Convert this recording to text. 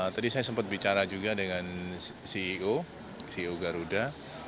tadi saya sempat bicara juga dengan ceo ceo garuda